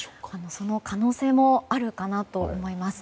その可能性もあるかなと思います。